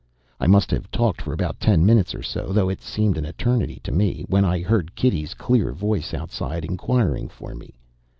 I must have talked for about ten minutes or so, though it seemed an eternity to me, when I heard Kitty's clear voice outside inquiring for me.